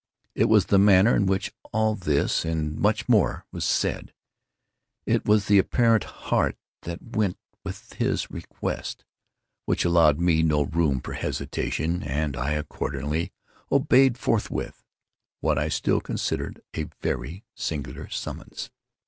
It was the manner in which all this, and much more, was said—it was the apparent heart that went with his request—which allowed me no room for hesitation; and I accordingly obeyed forthwith what I still considered a very singular summons.